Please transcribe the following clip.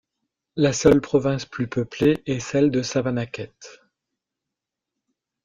La seule province plus peuplée est celle de Savannakhet.